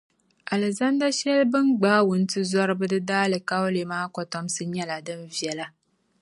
Alizanda shεli bɛ ni gbaai wuntizɔriba di daalikauli maa kotomsi nyɛla, din viɛlla.